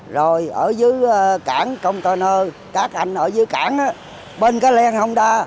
rồi ở dưới cảng công tòa nơi các anh ở dưới cảng bên cái len hông đa